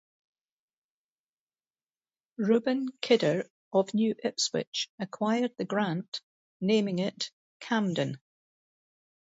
Reuben Kidder of New Ipswich acquired the grant, naming it "Camden".